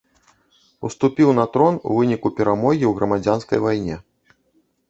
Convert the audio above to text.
Уступіў на трон у выніку перамогі ў грамадзянскай вайне.